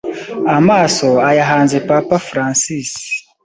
amaso ayahanze Papa Francis